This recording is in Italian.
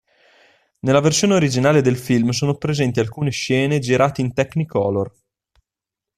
Nella versione originale del film sono presenti alcune scene girate in Technicolor.